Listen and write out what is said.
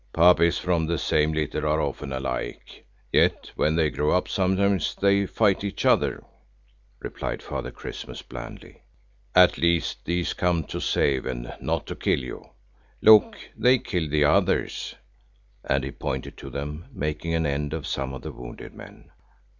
"Puppies from the same litter are often alike, yet when they grow up sometimes they fight each other," replied Father Christmas blandly. "At least these come to save and not to kill you. Look! they kill the others!" and he pointed to them making an end of some of the wounded men.